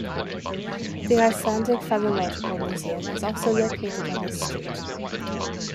The Icelandic Phallological Museum is also located on this street.